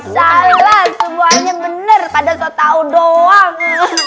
salah semuanya bener pada so tau doang